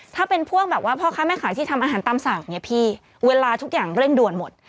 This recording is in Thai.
ถ้าเป็นพวกแบบว่าพ่อค้าแม่ขายที่ทำอาหารตามสั่งอย่างนี้พี่เวลาทุกอย่างเร่งด่วนหมด